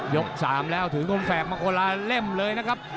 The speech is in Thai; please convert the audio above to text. ๓แล้วถือคมแฝกมาคนละเล่มเลยนะครับ